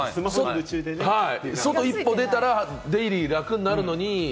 外に１歩出たら、出入りが楽になるのに。